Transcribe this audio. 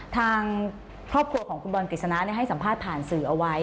ทางครอบครัวของคุณบอลกฤษณะให้สัมภาษณ์ผ่านสื่อเอาไว้